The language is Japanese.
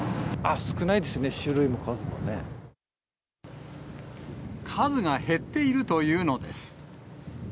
少ないですね、数が減っているというのです。